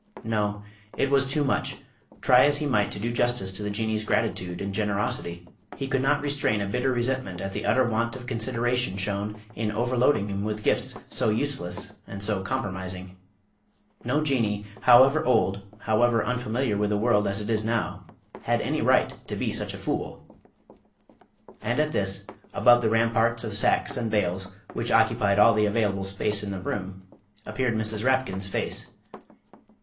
No, it was too much. Try as he might to do justice to the Jinnee's gratitude and generosity, he could not restrain a bitter resentment at the utter want of consideration shown in overloading him with gifts so useless and so compromising. No Jinnee however old, however unfamiliar with the world as it is now had any right to be such a fool! And at this, above the ramparts of sacks and bales, which occupied all the available space in the room, appeared Mrs. Rapkin's face.